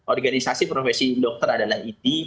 organisasi profesi dokter adalah iti